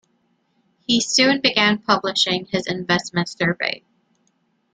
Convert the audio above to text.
He soon began publishing his investment survey.